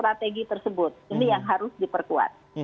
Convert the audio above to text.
ini yang harus diperkuat